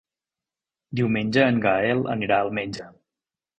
Diumenge en Gaël anirà al metge.